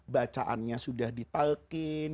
bacaannya sudah ditalkin